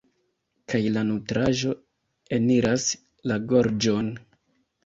Kaj la nutraĵo eniras la gorĝon.